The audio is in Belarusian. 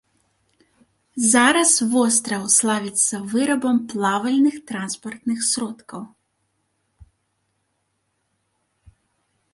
Зараз востраў славіцца вырабам плавальных транспартных сродкаў.